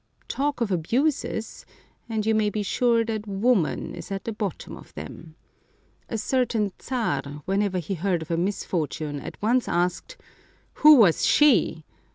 Talk of abuses, and you may be sure that woman is at the bottom of them ! A certain czar, when ever he heard of a misfortune, at once asked, " Who was she